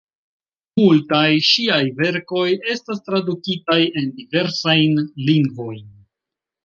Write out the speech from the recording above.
Multaj ŝiaj verkoj estas tradukitaj en diversajn lingvojn.